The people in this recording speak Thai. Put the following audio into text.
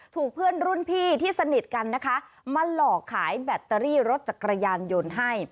ถูกเพื่อนรุ่นพี่ที่สนิทกันนะคะมาหลอกขายแบตเตอรี่รถจักรยานยนต์ให้